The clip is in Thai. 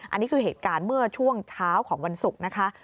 อันนี้คือเหตุการณ์เมื่อช่วงเช้าของวันศุกร์นะคะ